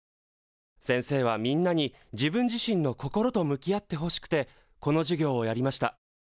先生はみんなに自分自身の心と向き合ってほしくてこの授業をやりました。